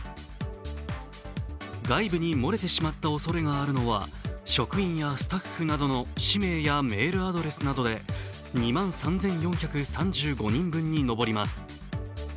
外部に漏れてしまったおそれがあるのは職員やスタッフなどの氏名やメールアドレスなどで２万３４３５人分に当たります。